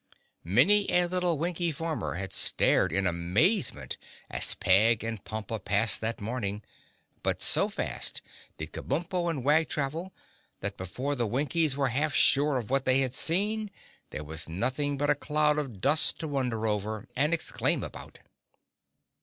Many a little Winkie farmer had stared in amazement as Peg and Pompa passed that morning but so fast did Kabumpo and Wag travel that before the Winkies were half sure of what they had seen there was nothing but a cloud of dust to wonder over and exclaim about.